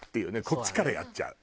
こっちからやっちゃう。